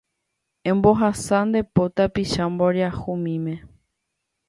Embohasa nde po tapicha mboriahumíme